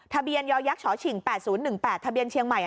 ทะเบียนยอยักษ์ฉอฉิง๘๐๑๘ทะเบียนเชียงใหม่